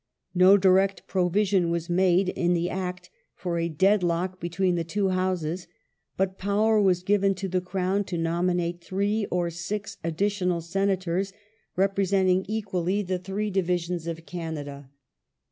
No direct provision was made in the Act for a deadlock between the two Houses, but power was given to the Crown to nominate three or six additional Senators, representing equally the three divisions of Canada.